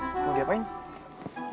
kan lo tau gue gak suka selada